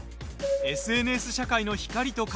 ＳＮＳ社会の光と影。